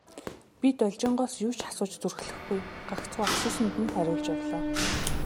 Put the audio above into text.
Би Должингоос юу ч асууж зүрхлэхгүй, гагцхүү асуусанд нь хариулж явлаа.